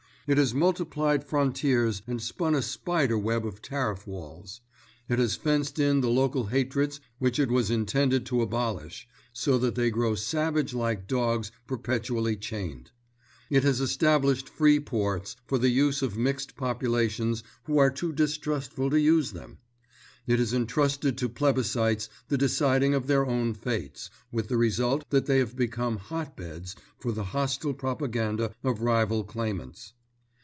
It has multiplied frontiers and spun a spider web of tariff walls. It has fenced in the local hatreds which it was intended to abolish, so that they grow savage like dogs perpetually chained. It has established free ports for the use of mixed populations who are too distrustful to use them. It has entrusted to plebiscites the deciding of their own fates, with the result that they have become hot beds for the hostile propaganda of rival claimants.